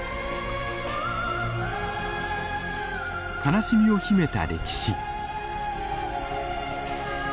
悲しみを秘めた歴史。